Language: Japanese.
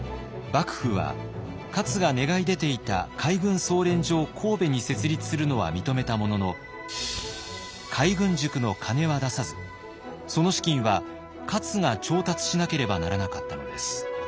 幕府は勝が願い出ていた海軍操練所を神戸に設立するのは認めたものの海軍塾の金は出さずその資金は勝が調達しなければならなかったのです。